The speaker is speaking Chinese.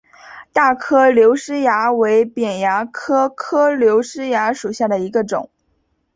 大颗瘤虱蚜为扁蚜科颗瘤虱蚜属下的一个种。